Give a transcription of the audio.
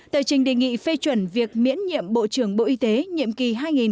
tờ trình đề nghị phê chuẩn việc miễn nhiệm bộ trưởng bộ y tế nhiệm kỳ hai nghìn một mươi sáu hai nghìn hai mươi một